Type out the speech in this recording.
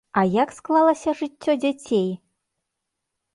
А як склалася жыццё дзяцей?